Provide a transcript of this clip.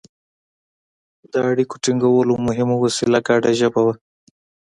د اړیکو ټینګولو مهمه وسیله ګډه ژبه وه